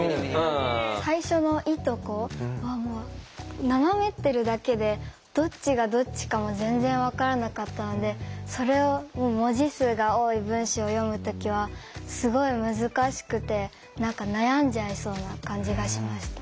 最初の「い」と「こ」は斜めってるだけでどっちがどっちかも全然分からなかったのでそれを文字数が多い文章を読む時はすごい難しくて悩んじゃいそうな感じがしました。